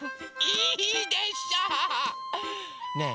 いいでしょう！ねえ